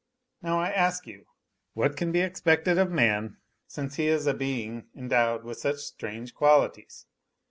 Now I ask you : what can be expected of man since he is a being with such strange qualities?